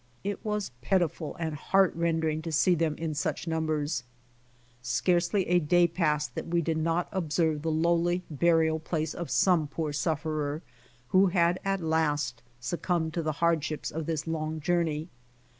It was pitiful and heart rending to see them in such numbers. Scarcely a day passed that we did not observe the lowly burial place of some poor sufferer, who had at last succumbed to the hardships of this long journey.